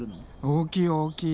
大きい大きい。